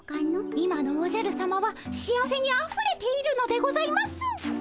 今のおじゃるさまは幸せにあふれているのでございます。